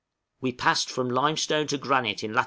_ We passed from limestone to granite in lat.